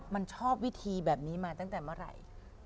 มันชอบวิธีแบบนี้มาตั้งแต่เมื่อไหร่